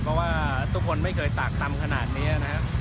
เพราะว่าทุกคนไม่เคยตากตำขนาดนี้นะครับ